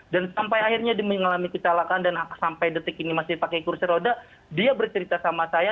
dan sampai akhirnya dia mengalami kecelakaan dan sampai detik ini masih pakai kursi roda dia bercerita sama saya